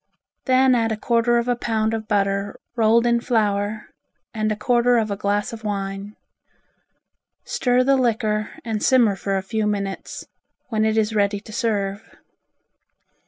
Then add a quarter of a pound of butter rolled in flour, and a quarter of a glass of wine. Stir the liquor and simmer for a few moments, when it is ready to serve.